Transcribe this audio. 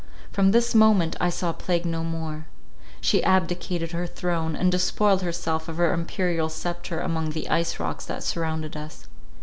From this moment I saw plague no more. She abdicated her throne, and despoiled herself of her imperial sceptre among the ice rocks that surrounded us.